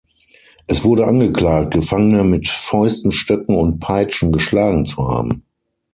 Er wurde angeklagt, Gefangene mit Fäusten, Stöcken und Peitschen geschlagen zu haben.